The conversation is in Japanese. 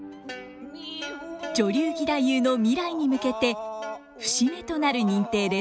女流義太夫の未来に向けて節目となる認定です。